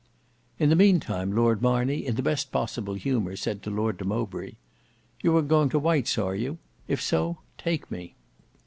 In the meantime Lord Marney in the best possible humour said to Lord de Mowbray, "You are going to White's are you? If so take me."